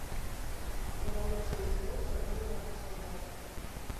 Рэвалюцыя ізноў зрабіла яго салдатам.